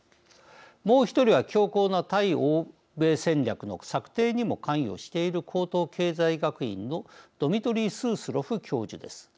もう１人は強硬な対欧米戦略の策定にも関与している高等経済学院のドミトリー・スースロフ教授です。